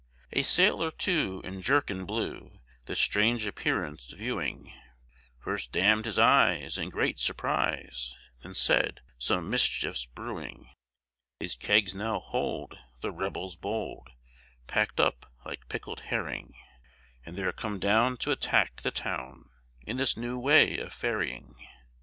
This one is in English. A sailor, too, in jerkin blue, This strange appearance viewing, First damn'd his eyes, in great surprise, Then said "Some mischief's brewing: "These kegs now hold, the rebels bold, Packed up like pickl'd herring; And they're come down t' attack the town In this new way of ferry'ng."